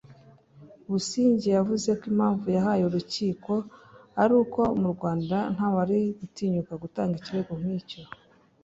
Busingye yavuze ko impamvu yahaye urukiko ari uko mu Rwanda nta wari gutinyuka gutanga ikirego nk’icyo